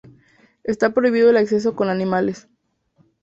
Está prohibido el acceso con animales.